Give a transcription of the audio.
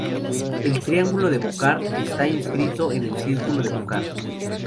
El triángulo de Brocard está inscrito en el círculo de Brocard.